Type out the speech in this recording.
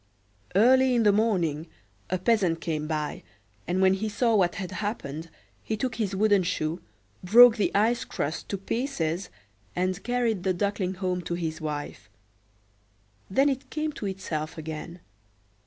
Early in the morning a peasant came by, and when he saw what had happened, he took his wooden shoe, broke the ice crust to pieces, and carried the Duckling home to his wife. Then it came to itself again.